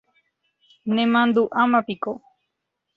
Nemandu'ámapiko